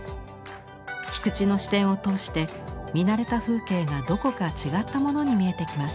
菊地の視点を通して見慣れた風景がどこか違ったものに見えてきます。